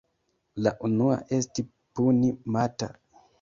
La unua esti Puni-mata.